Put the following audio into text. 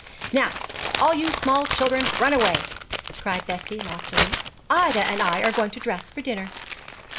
'Now all you small children run away!' cried Bessie, loftily. 'Ida and I are going to dress for dinner.'